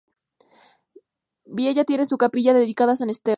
Vilella tiene una capilla dedicada a san Esteban.